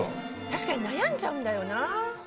確かに悩んじゃうんだよな。